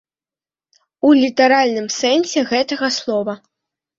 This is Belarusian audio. У літаральным сэнсе гэтага слова.